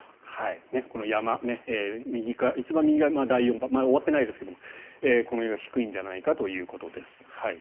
この山、一番右が第４波終わってないですけどもこれが低いんじゃないかということです。